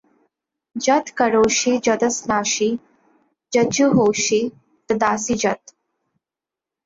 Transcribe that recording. যৎ করোষি যদশ্নাসি যজ্জুহোষি দদাসি যৎ।